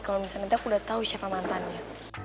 kalo misalnya nek udah tau siapa mantannya